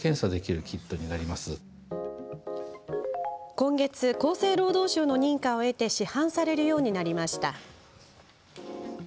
今月、厚生労働省の認可を得て市販されるようになりました。